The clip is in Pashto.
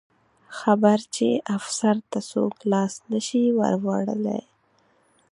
خبر چې افسر ته څوک لاس نه شي وروړلی.